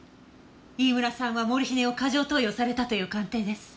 飯村さんはモルヒネを過剰投与されたという鑑定です。